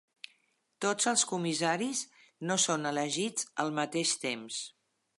Tots els comissaris no són elegits al mateix temps.